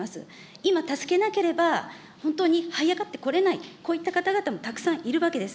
今助けなければ、本当にはい上がってこれない、こういった方々もたくさんいるわけです。